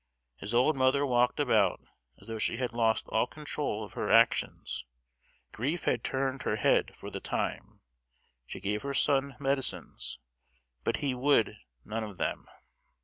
His old mother walked about as though she had lost all control of her actions; grief had turned her head for the time; she gave her son medicines, but he would none of them!